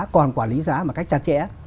còn quản lý giá mà cách chặt chẽ